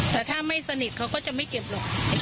แต่ถ้าไม่สนิทเขาก็จะไม่เก็บหรอก